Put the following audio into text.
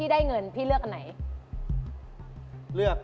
ได้ครับ